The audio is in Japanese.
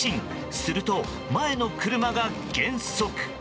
すると前の車が減速。